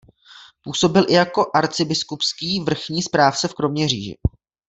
Působil i jako arcibiskupský vrchní správce v Kroměříži.